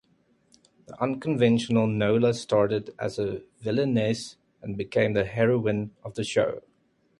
The uncoventional Nola started as a villainess and became the heroine of the show.